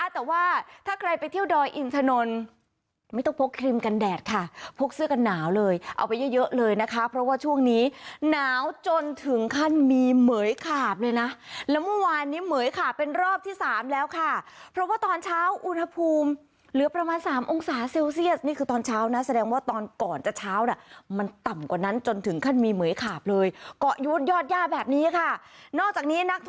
แต่ว่าถ้าใครไปเที่ยวดอยอินถนนไม่ต้องพกครีมกันแดดค่ะพกเสื้อกันหนาวเลยเอาไปเยอะเลยนะคะเพราะว่าช่วงนี้หนาวจนถึงขั้นมีเหมือยขาบเลยนะแล้วเมื่อวานนี้เหมือยขาบเป็นรอบที่๓แล้วค่ะเพราะว่าตอนเช้าอุณหภูมิเหลือประมาณ๓องศาเซลเซียสนี่คือตอนเช้านะแสดงว่าตอนก่อนจากเช้านะมันต่ำกว่านั้นจน